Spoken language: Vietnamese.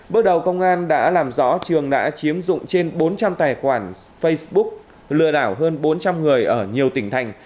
bước đầu công an đã làm rõ trường đã chiếm dụng trên bốn trăm linh tài khoản facebook lừa đảo hơn bốn trăm linh người ở nhiều tỉnh thành